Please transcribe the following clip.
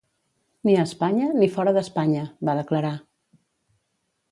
Ni a Espanya ni fora d’Espanya, va declarar.